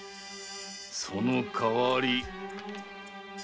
その代わり。